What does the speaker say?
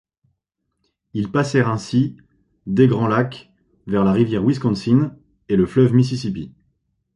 Ils passèrent ainsi des Grands Lacs vers la rivière Wisconsin et le fleuve Mississippi.